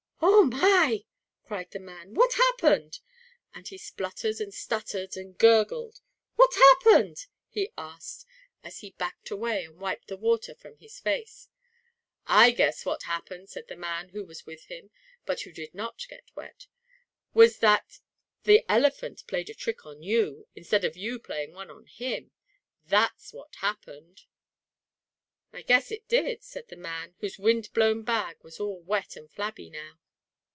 "Oh, my!" cried the man. "What happened?" and he spluttered and stuttered and gurgled. "What happened?" he asked, as he backed away and wiped the water from his face. "I guess what happened," said the man who was with him, but who did not get wet, "was that the elephant played a trick on you, instead of you playing one on him. That's what happened!" "I guess it did," said the man, whose windblown bag was all wet and flabby now.